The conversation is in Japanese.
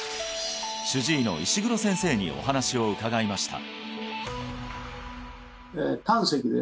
主治医の石黒先生にお話を伺いました